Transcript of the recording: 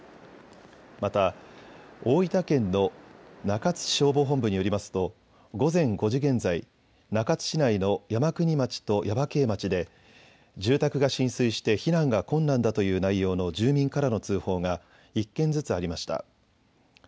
また、大分県の中津市消防本部によりますと午前５時現在、中津市内の山国町と耶馬溪町で住宅が浸水して避難が困難だという内容の住民からの通報が１件ずつありました。